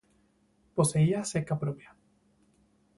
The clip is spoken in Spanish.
Poseía ceca propia.